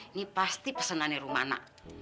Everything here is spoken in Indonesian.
ini pasti pesenannya rumana